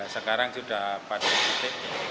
sekarang sudah pada titik